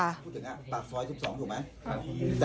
พูดถึงอ่ะปากซอยทุกสองถูกไหมครับ